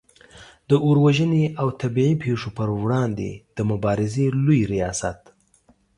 د اور وژنې او طبعې پیښو پر وړاندې د مبارزې لوي ریاست